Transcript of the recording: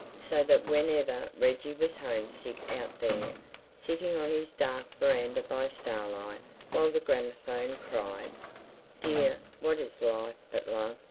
So that whenever Reggie was homesick out there, sitting on his dark veranda by starlight, while the gramophone cried, "Dear, what is Life but Love?"